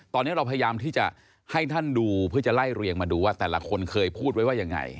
ตอนนี้เราพยายามที่จะให้ท่านดูเพื่อจะไล่เรียงมาดูว่าแต่ละคนเคยพูดไว้ว่ายังไง